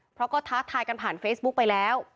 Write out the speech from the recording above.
เพราะก็ท้าทายกันผ่านเฟซบุ๊กไปแล้ว